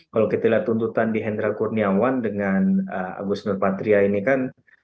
kalau kita lihat tuntutan di hendra kurniawan dengan agus nurpatria ini kan